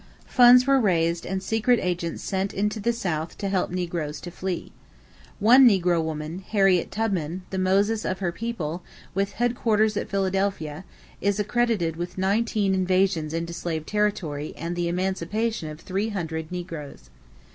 Funds were raised and secret agents sent into the South to help negroes to flee. One negro woman, Harriet Tubman, "the Moses of her people," with headquarters at Philadelphia, is accredited with nineteen invasions into slave territory and the emancipation of three hundred negroes.